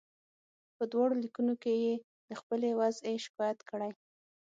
په دواړو لیکونو کې یې د خپلې وضعې شکایت کړی.